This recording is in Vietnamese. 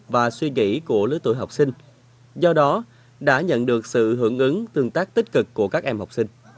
và suy nghĩ của lứa tuổi học sinh do đó đã nhận được sự hưởng ứng tương tác tích cực của các em học sinh